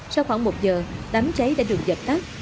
sau khoảng một giờ đám cháy đã được dập tắt